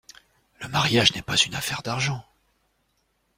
Le mariage n’est pas une affaire d’argent.